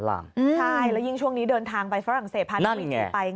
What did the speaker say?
ใช่แล้วยิ่งช่วงนี้เดินทางไปฝรั่งเศสพรนไปไง